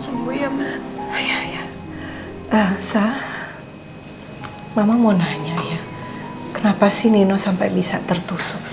tengok si pertubiaso